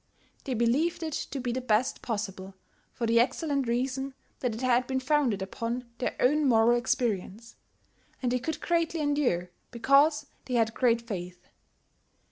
They believed it to be the best possible for the excellent reason that it had been founded upon their own moral experience; and they could greatly endure because they had great faith.